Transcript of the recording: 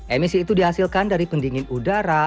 emisi itu dihasilkan dari pendingin udara